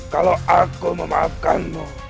kalau aku memaafkanmu